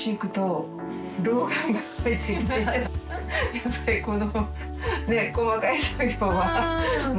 やっぱりこの緑川）